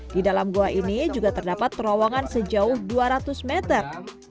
di dalam goa ini juga terdapat terowongan sejauh dua ratus meter